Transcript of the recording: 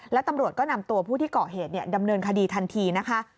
และตำรวจก็นำตัวผู้ที่เกาะเหตุดำเนินคดีทันทีนะคะ